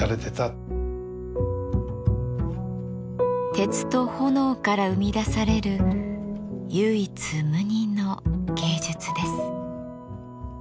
鉄と炎から生み出される唯一無二の芸術です。